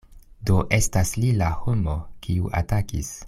Do estas li la homo, kiu atakis.